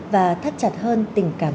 và thắt chặt hơn tình cảm quân dân